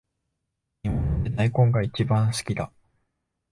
煮物で大根がいちばん好きだ